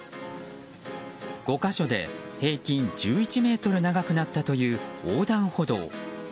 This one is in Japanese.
５か所で平均１１ｍ長くなったという横断歩道。